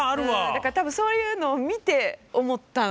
だから多分そういうのを見て思ったのかなあ。